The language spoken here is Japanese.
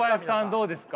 どうですか？